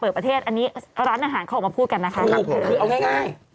ประเทศอันนี้ร้านอาหารเขาออกมาพูดกันนะคะคือเอาง่าย